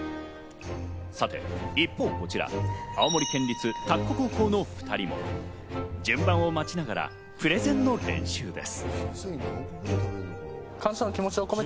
さて一方こちら、青森県立田子高校の２人も順番を待ちながらプレゼンの練習です。